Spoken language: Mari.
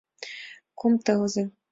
Кум тылзе!..